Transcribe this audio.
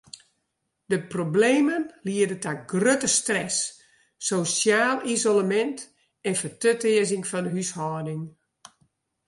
De problemen liede ta grutte stress, sosjaal isolemint en fertutearzing fan de húshâlding.